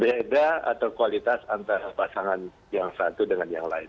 beda atau kualitas antara pasangan yang satu dengan yang lain